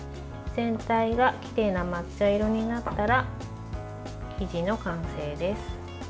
全体がきれいな抹茶色になったら生地の完成です。